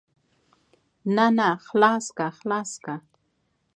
نه نه خلاصه که خلاصه که.